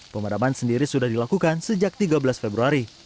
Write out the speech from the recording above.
pemadaman sendiri sudah dilakukan sejak tiga belas februari